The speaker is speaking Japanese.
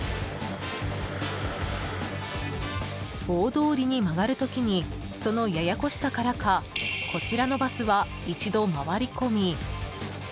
大通りに曲がる時にそのややこしさからかこちらのバスは一度回り込み